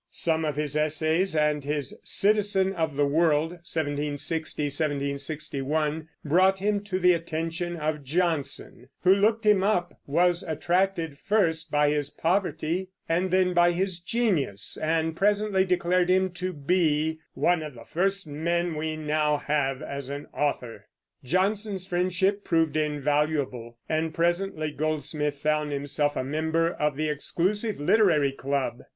Some of his essays and his Citizen of the World (1760 1761) brought him to the attention of Johnson, who looked him up, was attracted first by his poverty and then by his genius, and presently declared him to be "one of the first men we now have as an author." Johnson's friendship proved invaluable, and presently Goldsmith found himself a member of the exclusive Literary Club.